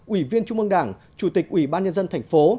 ủy viên trung ương đảng chủ tịch ủy ban nhân dân thành phố